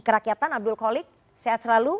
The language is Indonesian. kerakyatan abdul khaliq sehat selalu